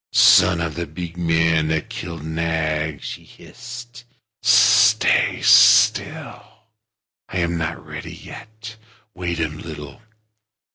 "Son of the big man that killed Nag," she hissed, "stay still. I am not ready yet. Wait a little.